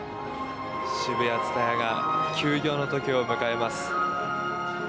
ＳＨＩＢＵＹＡＴＳＵＴＡＹＡが休業の時を迎えます。